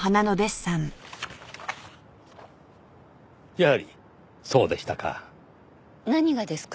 やはりそうでしたか。